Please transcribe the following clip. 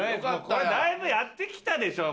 これだいぶやってきたでしょ！